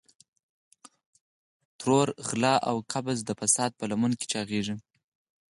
ترور، غلا او قبضه د فساد په لمن کې چاغېږي.